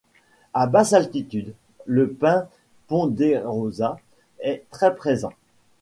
À basse altitude, le Pin ponderosa est très présent.